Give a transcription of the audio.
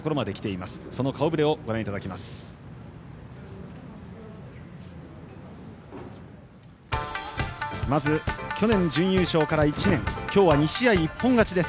まず去年、準優勝から１年今日は２試合、一本勝ちです。